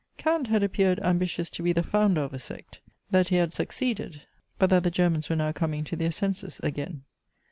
Kant had appeared ambitious to be the founder of a sect; that he had succeeded: but that the Germans were now coming to their senses again.